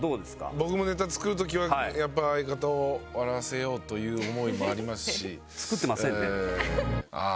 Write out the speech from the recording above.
僕もネタ作る時はやっぱ相方を笑わせようという思いもありますし。